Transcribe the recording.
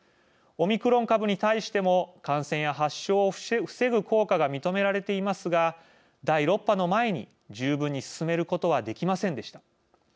オミクロン株に対しても感染や発症を防ぐ効果が認められていますが第６波の前に十分に進めることはできませんでした。